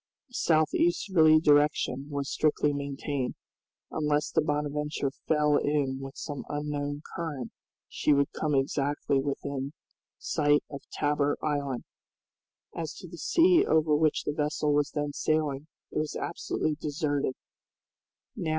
A south easterly direction was strictly maintained. Unless the "Bonadventure" fell in with some unknown current she would come exactly within sight of Tabor Island. As to the sea over which the vessel was then sailing, it was absolutely deserted.